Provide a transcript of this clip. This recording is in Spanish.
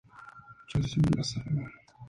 Puede ser extraído en minería como mena de talio.